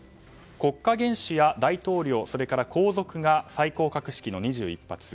国家元首や大統領それから皇族が最高格式の２１発。